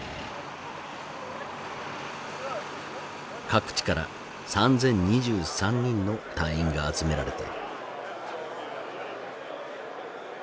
各地から３，０２３人の隊員が集められた。